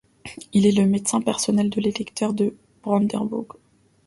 Il est le médecin personnel de l'électeur de Brandebourg.